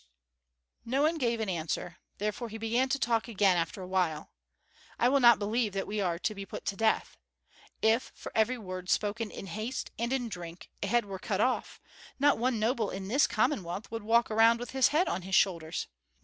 No one gave answer; therefore he began to talk again after a while: "I will not believe that we are to be put to death. If for every word spoken in haste and in drink, a head were cut off, not one noble in this Commonwealth would walk around with his head on his shoulders.